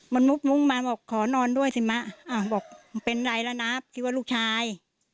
มนุษย์มุ่งมาบอกขอนอนด้วยสิมะอ่าบอกเป็นไรละนะคิดว่าลูกชาย